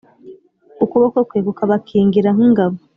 ukuboko kwe kukabakingira nk’ingabo.